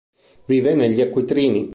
Vive negli acquitrini.